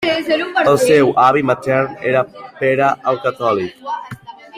El seu avi matern era Pere el Catòlic.